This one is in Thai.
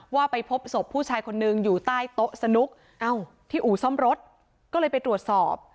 ว่าไปพบศพผู้ชายคนนึงอยู่ใต้โต๊ะสนุกเอ้าที่อู่ซ่อมรถก็เลยไปตรวจสอบ